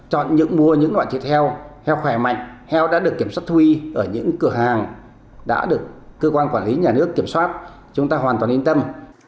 chúng ta chọn mua những loại thịt heo heo khỏe mạnh heo đã được kiểm soát thuy ở những cửa hàng đã được cơ quan quản lý nhà nước kiểm soát chúng ta hoàn toàn yên tâm